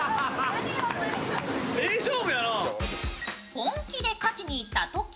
本気で勝ちにいったトキ。